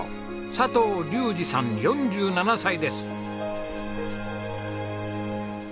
佐藤竜士さん４７歳です。